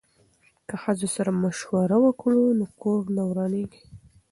که ښځو سره مشوره وکړو نو کور نه ورانیږي.